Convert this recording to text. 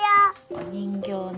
お人形ね。